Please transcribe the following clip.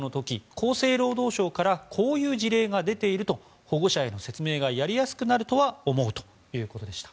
厚生労働省からこういう事例が出ていると保護者への説明がやりやすくなるとは思うとのことでした。